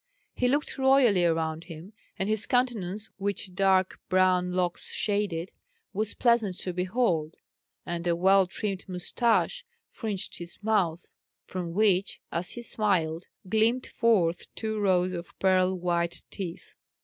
He looked royally around him; and his countenance, which dark brown locks shaded, was pleasant to behold; and a well trimmed moustache fringed his mouth, from which, as he smiled, gleamed forth two rows of pearl white teeth.